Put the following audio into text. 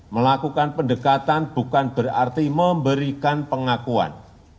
melakukan pendekatan bukan berarti memberikan pengakuan